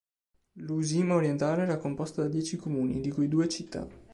L'Uusimaa orientale era composta da dieci comuni, di cui due città.